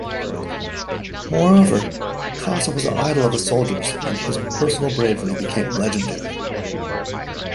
Moreover, Kassa was the idol of the soldiers and his personal bravery became legendary.